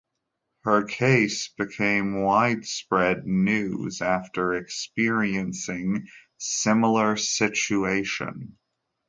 Her case became widespread news after experiencing similar situation.